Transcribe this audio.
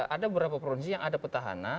ada beberapa provinsi yang ada petahana